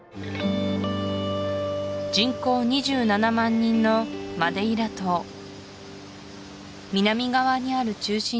人口２７万人のマデイラ島南側にある中心